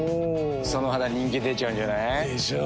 その肌人気出ちゃうんじゃない？でしょう。